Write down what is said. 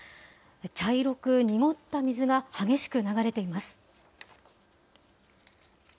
茶色く濁った水が激しく流れています。